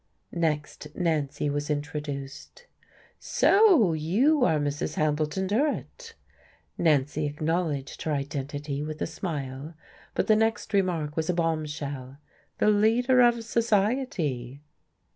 Next, Nancy was introduced. "So you are Mrs. Hambleton Durrett?" Nancy acknowledged her identity with a smile, but the next remark was a bombshell. "The leader of society."